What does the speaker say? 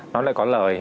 nó lại có lời